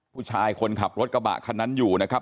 คนขับรถกระบะคันนั้นอยู่นะครับ